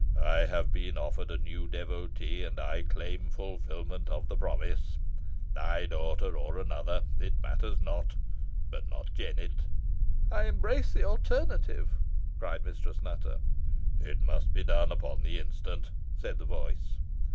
"I have been offered a new devotee, and I claim fulfilment of the promise. Thy daughter or another, it matters not but not Jennet." "I embrace the alternative," cried Mistress Nutter. "It must be done upon the instant," said the voice.